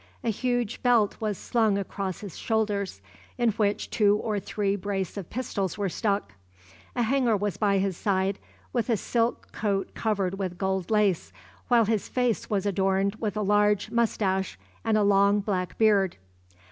A huge belt was slung across his shoulders, in which two or three brace of pistols were stuck. A hanger was by his side, with a silk coat covered with gold lace, while his face was adorned with a large moustache and a long black beard.